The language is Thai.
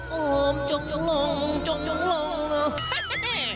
โอ้จงลงจงลงจงลง